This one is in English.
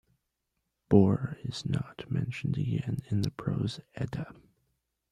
Borr is not mentioned again in the "Prose Edda".